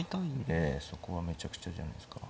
ええそこはめちゃくちゃ痛いじゃないですか。